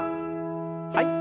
はい。